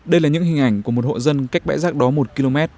đây là những hình ảnh của một hộ dân cách bãi rác đó một km